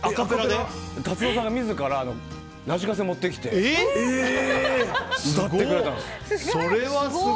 達郎さんが自らラジカセ持ってきて歌ってくれたんです。